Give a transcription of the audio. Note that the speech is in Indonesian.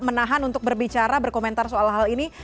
menahan untuk berbicara berkomentar soal hal ini